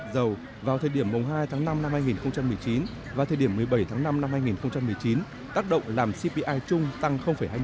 dầu vào thời điểm hai tháng năm năm hai nghìn một mươi chín và thời điểm một mươi bảy tháng năm năm hai nghìn một mươi chín tác động làm cpi chung tăng hai mươi chín